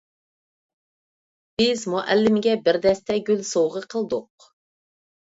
بىز مۇئەللىمگە بىر دەستە گۈل سوۋغا قىلدۇق.